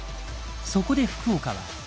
そこで福岡は。